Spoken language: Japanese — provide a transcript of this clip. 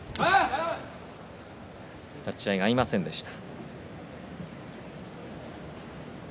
立ち合いが合いませんでした。